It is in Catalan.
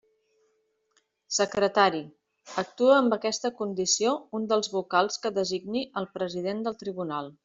Secretari: actua amb aquesta condició un dels vocals que designi el president del tribunal.